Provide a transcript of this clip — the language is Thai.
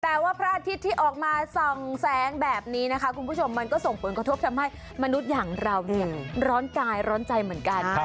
แต่ว่าพระอาทิตย์ที่ออกมาส่องแสงแบบนี้นะคะคุณผู้ชมมันก็ส่งผลกระทบทำให้มนุษย์อย่างเราเนี่ยร้อนกายร้อนใจเหมือนกัน